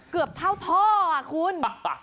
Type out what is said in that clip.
เกือบเท่าท่ออ่ะคุณ